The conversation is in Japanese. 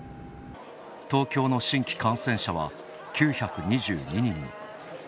東京の新規感染者は９２２人に。